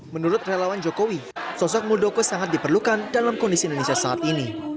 menurut relawan jokowi sosok muldoko sangat diperlukan dalam kondisi indonesia saat ini